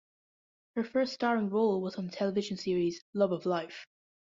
Her first starring role was on the television series "Love of Life".